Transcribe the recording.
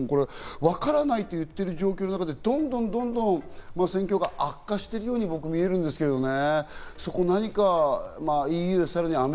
わからないと言ってる状況の中で、どんどん戦況が悪化しているように僕には見えるんですけどね。